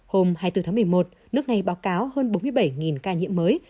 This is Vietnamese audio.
hôm hai mươi bốn tháng một mươi một nước này báo cáo hơn bốn mươi bảy ca nhiễm mới